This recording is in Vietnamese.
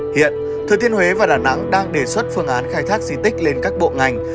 hiện thừa thiên huế và đà nẵng đang đề xuất phương án khai thác di tích lên các bộ ngành